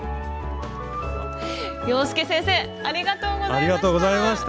洋輔先生ありがとうございました。